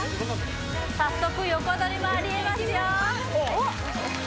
早速横取りもありえますよおっ